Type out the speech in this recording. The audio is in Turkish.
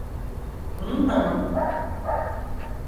Bununla mı?